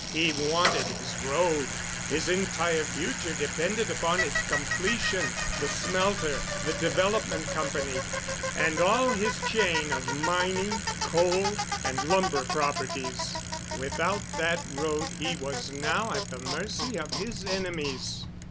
He wanted his road. His entire future depended upon its completion—the smelter, the Development Company, and all his chain of mining, coal, and lumber properties. Without that road he was now at the mercy of his enemies.